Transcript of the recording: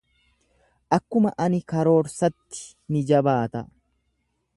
Akkuma ani karoorsatti ni jabaata.